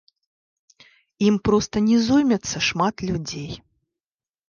Ім проста не зоймецца шмат людзей.